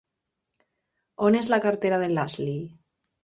On és la cartera de l'Ashley?